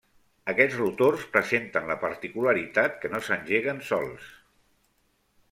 Aquests rotors presenten la particularitat que no s'engeguen sols.